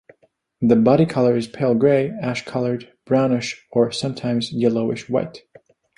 The body color is pale-grey, ash-colored, brownish or sometimes yellowish-white.